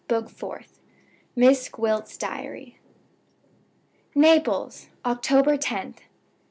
BOOK THE FOURTH. I. MISS GWILT'S DIARY. "NAPLES, October 10th.